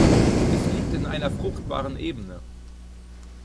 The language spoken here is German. Es liegt in einer fruchtbaren Ebene.